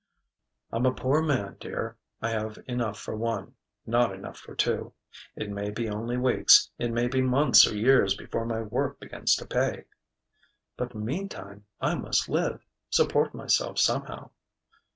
"I'm a poor man, dear I have enough for one, not enough for two. It may be only weeks, it may be months or years before my work begins to pay." "But meantime I must live support myself, somehow."